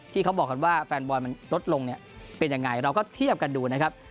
ที่เขาบอกกันว่าแฟนบอลมันลดลงเนี่ยเป็นยังไงเราก็เทียบกันดูนะครับ